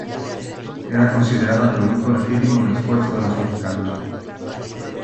Era considerada producto legítimo del esfuerzo de los mexicanos.